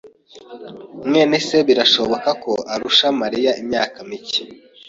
mwene se birashoboka ko arusha Mariya imyaka mike.